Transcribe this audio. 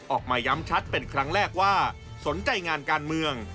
ออกมาย้ำชัดเป็นครั้งแรกว่าสนใจงานการเมือง